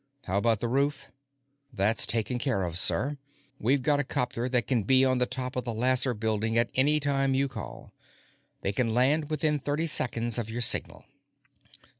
"How about the roof?" "That's taken care of, sir; we've got 'copter that can be on the top of the Lasser Building at any time you call. They can land within thirty seconds of your signal."